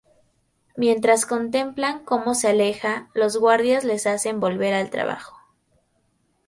Mientras contemplan como se aleja, los guardias les hacen volver al trabajo.